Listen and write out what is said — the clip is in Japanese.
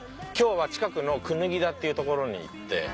今日は近くの椚田っていうところに行って。